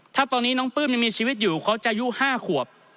ถ้าตอนนี้น้องปลื้มยังมีชีวิตอยู่เขาจะอายุ๕ขวบ